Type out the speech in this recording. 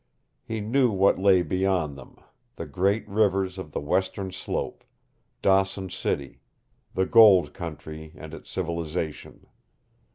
He knew what lay beyond them the great rivers of the Western slope, Dawson City, the gold country and its civilization.